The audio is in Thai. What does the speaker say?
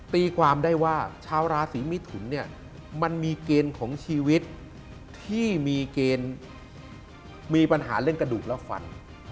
ตีความได้ว่าชาวราศีมิถุนเนี่ยมันมีเกณฑ์ของชีวิตที่มีเกณฑ์มีปัญหาเรื่องกระดูกและฟัน